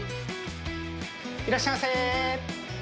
いらっしゃいませ。